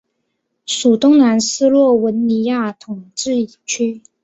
属东南斯洛文尼亚统计区。